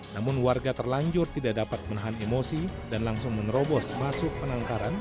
namun warga terlanjur tidak dapat menahan emosi dan langsung menerobos masuk penangkaran